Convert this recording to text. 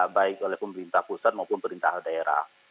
baik oleh pemerintah pusat maupun pemerintah daerah